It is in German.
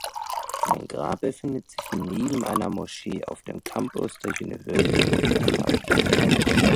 Sein Grab befindet sich neben einer Moschee auf dem Campus der University of Dhaka.